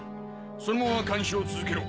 そのまま監視を続けろ。